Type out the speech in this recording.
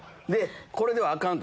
これではアカン！